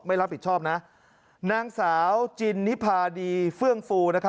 ไม่รับผิดชอบนะนางสาวจินนิพาดีเฟื่องฟู